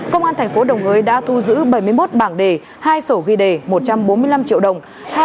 công an thành phố đồng hới đã thu giữ bảy mươi một bảng đề hai sổ ghi đề một trăm bốn mươi năm triệu đồng